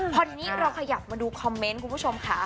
พอนี้เราขยับมาดูคอมเมนต์คุณผู้ชมค่ะ